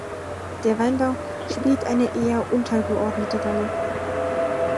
Der Weinbau spielt eine eher untergeordnete Rolle.